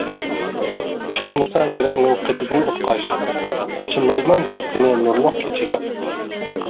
چاقنىسا يۈرەكنىڭ قېتىدىن ئوتقاش، چىللايمەن يار سېنى نۇرلۇق كېچىگە.